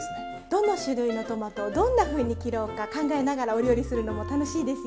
どの種類のトマトをどんなふうに切ろうか考えながらお料理するのも楽しいですよね。